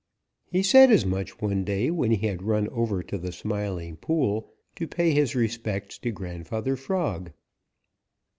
He said as much one day when he had run over to the Smiling Pool to pay his respects to Grandfather Frog.